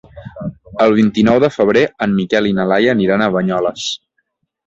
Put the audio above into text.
El vint-i-nou de febrer en Miquel i na Laia aniran a Banyoles.